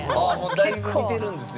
だいぶ見てるんですね。